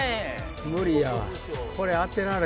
無理やわ。